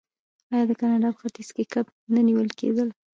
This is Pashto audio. آیا د کاناډا په ختیځ کې کب نه نیول کیدل؟